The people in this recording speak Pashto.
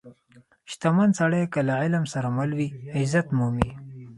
• شتمن سړی که له علم سره مل وي، عزت مومي.